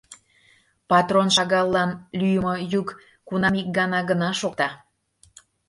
Патрон шагаллан лӱйымӧ йӱк кунам ик гана гына шокта.